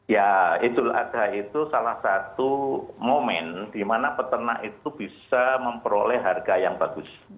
ya idul adha itu salah satu momen di mana peternak itu bisa memperoleh harga yang bagus